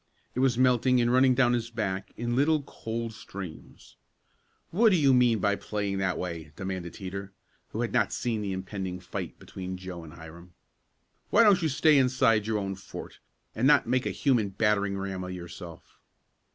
It was melting and running down his back in little cold streams. "What do you mean by playing that way?" demanded Teeter, who had not seen the impending fight between Joe and Hiram. "Why don't you stay inside your own fort, and not make a human battering ram of yourself?"